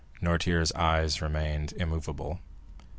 Noirtier's eye remained immovable.